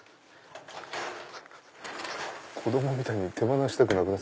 子供みたいに手放したくなくなっちゃった。